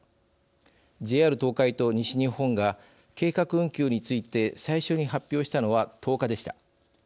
ＪＲ東海と西日本が計画運休について最初に発表したのは１０日でした。